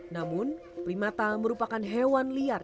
namun primata merupakan hewan liar